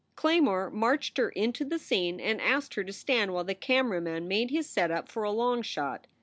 Claymore marched her into the scene and asked her to stand while the camera man made his set up for a long shot.